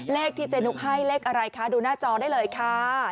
เลขที่เจนุกให้เลขอะไรคะดูหน้าจอได้เลยค่ะ